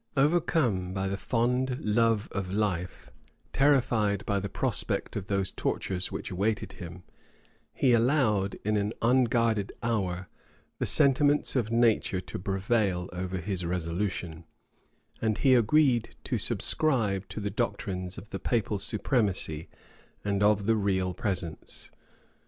Overcome by the fond love of life, terrified by the prospect of those tortures which awaited him, he allowed, in an unguarded hour, the sentiments of nature to prevail over his resolution, and he agreed to subscribe the doctrines of the papal supremacy and of the real presence.